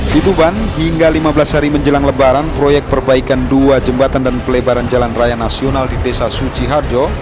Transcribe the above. di tuban hingga lima belas hari menjelang lebaran proyek perbaikan dua jembatan dan pelebaran jalan raya nasional di desa suci harjo